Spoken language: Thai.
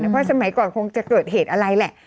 เพราะสมัยก่อนคงจะเกิดเหตุอะไรแหละ